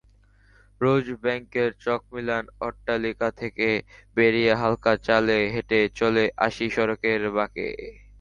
রোজব্যাংকের চকমিলান অট্টালিকা থেকে বেরিয়ে হালকা চালে হেঁটে চলে আসি সড়কের বাঁকে।